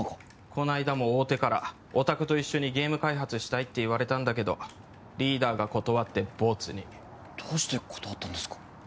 この間も大手からおたくと一緒にゲーム開発したいって言われたんだけどリーダーが断ってボツにどうして断ったんですか？